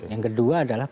yang kedua adalah